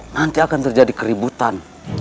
nanti akan terjadi keributan